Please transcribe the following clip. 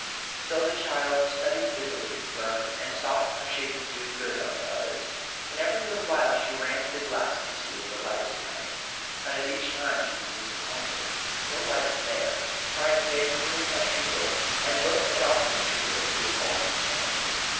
So the child studied busily, learned, and sought how she could do good unto others. And every little while she ran to the glass to see if the light was coming. But at each time she was disappointed. No light was there. Try as faithfully as she would, and look as often as she would, it was always the same.